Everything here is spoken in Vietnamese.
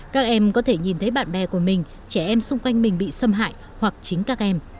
các em có thể nhìn thấy bạn bè của mình trẻ em xung quanh mình bị xâm hại hoặc chính các em